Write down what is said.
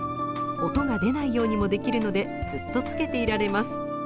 音が出ないようにもできるのでずっとつけていられます。